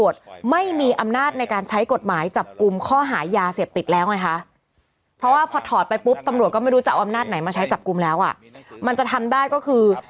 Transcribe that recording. ใช้จับกลุ่มแล้วอ่ะมันจะทำได้ก็คือ